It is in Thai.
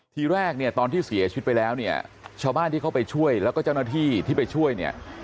ทีแรกเนี้ยตอนที่เสียชาวบ้านที่เขาไปช่วยแล้วก็เจ้าหน้าที่ที่ไปช่วยเนี้ย